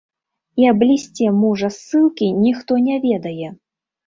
І аб лісце мужа з ссылкі ніхто не ведае.